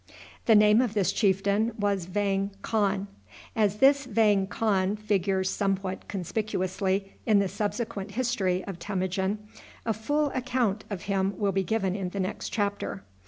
The name of this chieftain was Vang Khan. As this Vang Khan figures somewhat conspicuously in the subsequent history of Temujin, a full account of him will be given in the next chapter.